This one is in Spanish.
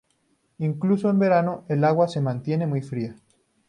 Incluso en verano, el agua se mantiene muy fría.